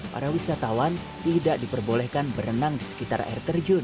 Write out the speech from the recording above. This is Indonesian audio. para wisatawan tidak diperbolehkan berenang di sekitar air terjun